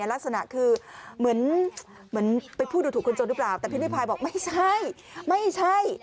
ลักษณะคือเหมือนไปพูดดูถูกคนจนหรือเปล่าแต่พิริพายบอกไม่ใช่ไม่ใช่